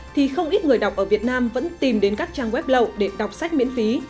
thì không ít người đọc ở việt nam vẫn tìm đến các trang web lậu để đọc sách miễn phí